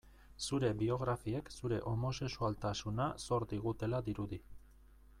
Zure biografiek zure homosexualtasuna zor digutela dirudi.